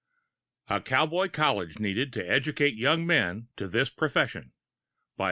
A COWBOY COLLEGE NEEDED TO EDUCATE YOUNG MEN TO THIS PROFESSION.